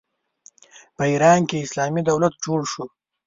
په ایران کې اسلامي دولت جوړ شو.